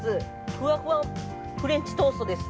ふわふわフレンチトーストです。